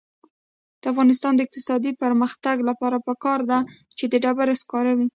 د افغانستان د اقتصادي پرمختګ لپاره پکار ده چې ډبرو سکاره وي.